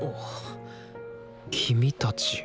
君たち。